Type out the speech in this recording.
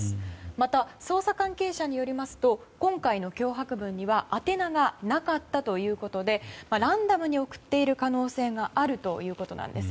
また、捜査関係者によりますと今回の脅迫文には宛名がなかったということでランダムに送っている可能性があるということなんです。